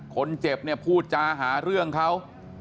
คนเจ็บเนี่ยพูดจาหาเรื่องเขา